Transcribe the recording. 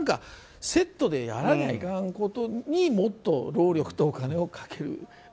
セットでやらないかんことにもっと労力とお金をかける。